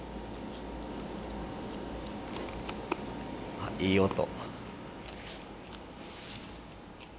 あっいい音。